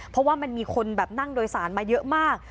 เพราะว่ามันมีคนแบบนั่งโดยสารมาเยอะมาก